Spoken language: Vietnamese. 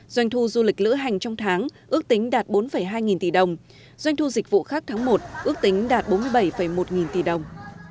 doanh thu du lịch lữ hành trong tháng ước tính đạt bốn hai nghìn tỷ đồng doanh thu dịch vụ khác tháng một ước tính đạt bốn mươi bảy một nghìn tỷ đồng